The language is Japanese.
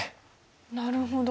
なるほど。